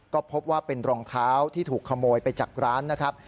ก็พบว่าเป็นรองเท้าที่ถูกขโมยไปจากร้านนะครับ